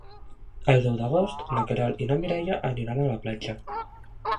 El deu d'agost na Queralt i na Mireia aniran a la platja.